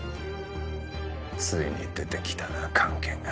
ついに出て来たな菅研が。